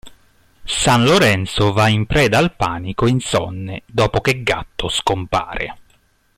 San Lorenzo va in preda al panico insonne dopo che Gatto scompare.